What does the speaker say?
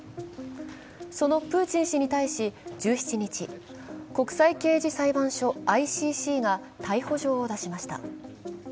そのプーチン氏に対し、１７日国際刑事裁判所＝ＩＣＣが逮捕状を出しました。